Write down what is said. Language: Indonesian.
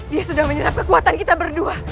dia sudah menyerap kekuatan kita berdua